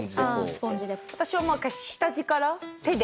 私は下地から手で。